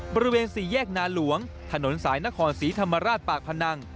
บริเวณสี่แยกนาหลวงถนนสายนครศรีธรรมราชปากพนัง